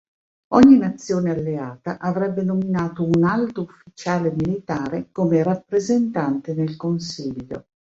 Ogni nazione alleata avrebbe nominato un alto ufficiale militare come rappresentante nel consiglio.